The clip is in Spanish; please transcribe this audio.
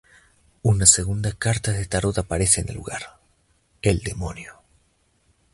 Una segunda carta de tarot aparece en el lugar: el demonio.